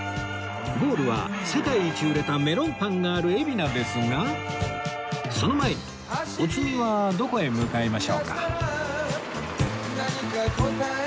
ゴールは世界一売れたメロンパンがある海老名ですがその前にお次はどこへ向かいましょうか？